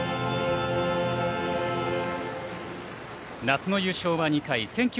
夏の優勝は２回。